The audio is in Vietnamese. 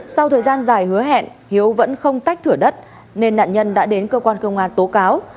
sau thời gian dài hứa hẹn hiếu vẫn không tách thửa đất nên nạn nhân đã đến cơ quan công an tố cáo